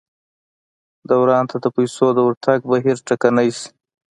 دوران ته د پیسو د ورتګ بهیر ټکنی شي.